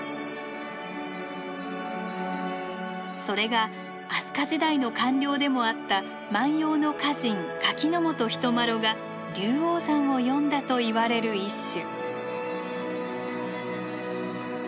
それが飛鳥時代の官僚でもあった万葉の歌人柿本人麻呂が龍王山を詠んだといわれる一首。